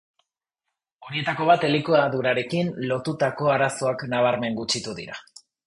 Horietako bat elikadurarekin lotutako arazoak nabarmen gutxitu dira.